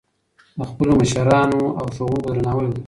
د خپلو مشرانو او ښوونکو درناوی وکړئ.